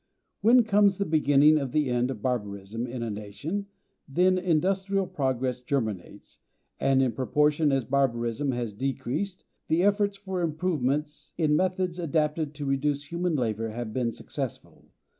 When comes the beginning of the end of barbarism in a nation, then industrial progress germinates, and in proportion as barbarism has decreased, the efforts for improvements in methods adapted to reduce human labor have been successful.